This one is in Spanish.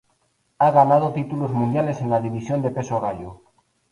Ha ganado títulos mundiales en la división de peso gallo.